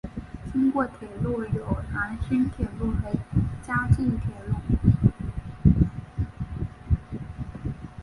经过铁路有兰新铁路和嘉镜铁路。